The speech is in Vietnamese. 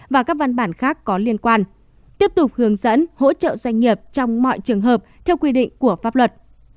và các văn bản khác có liên quan tiếp tục hướng dẫn hỗ trợ doanh nghiệp trong mọi trường hợp theo quy định của pháp luật